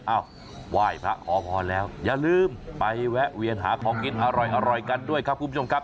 ไหว้พระขอพรแล้วอย่าลืมไปแวะเวียนหาของกินอร่อยกันด้วยครับคุณผู้ชมครับ